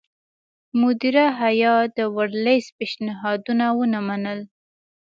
مدیره هیات د ورلسټ پېشنهادونه ونه منل.